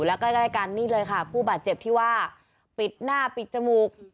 และใกล้กันนี่เลยค่ะผู้บาดเจ็บที่ว่าปิดหน้าปิดจมูก